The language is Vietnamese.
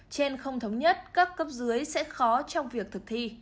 trên không thống nhất các cấp dưới sẽ khó trong việc thực thi